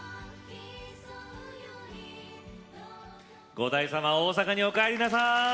五代様、大阪にお帰りなさい！